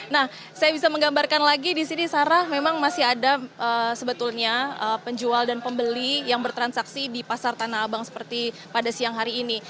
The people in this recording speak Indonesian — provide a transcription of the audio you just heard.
nah saya bisa menggambarkan lagi di sini sarah memang masih ada sebetulnya penjual dan pembeli yang bertransaksi di pasar tanah abang seperti pada siang hari ini